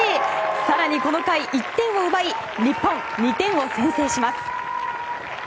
更に、この回１点を奪い日本、２点を先制します。